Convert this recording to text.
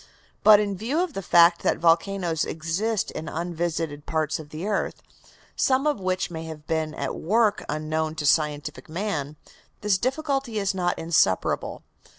But in view of the fact that volcanoes exist in unvisited parts of the earth, some of which may have been at work unknown to scientific man, this difficulty is not insuperable.